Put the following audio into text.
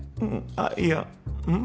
あっいやうん？